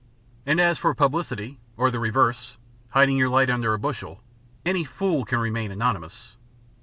And as for publicity or the reverse, hiding your light under a bushel any fool can remain anonymous."